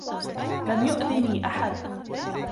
لم يأذني أحد.